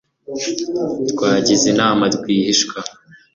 twagize inama rwihishwa